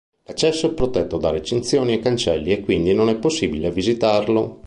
L'accesso è protetto da recinzioni e cancelli e quindi non è possibile visitarlo.